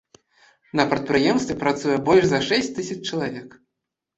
На прадпрыемстве працуе больш за шэсць тысяч чалавек.